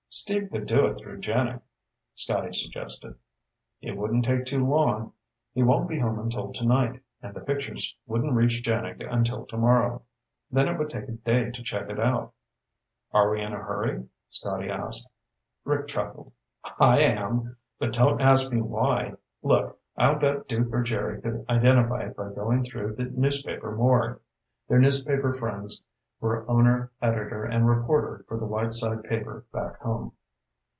"Steve could do it through JANIG," Scotty suggested. "It would take too long. He won't be home until tonight, and the picture wouldn't reach JANIG until tomorrow. Then it would take a day to check it out." "Are we in a hurry?" Scotty asked. Rick chuckled. "I am. But don't ask me why. Look, I'll bet Duke or Jerry could identify it by going through the newspaper morgue." Their newspaper friends were owner editor and reporter for the Whiteside paper back home.